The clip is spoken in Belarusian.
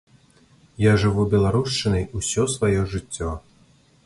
Я жыву беларушчынай усё сваё жыццё.